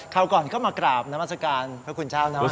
คราวก่อนก็มากราบน้ำอาสการพระคุณชาวน้ำอาสการ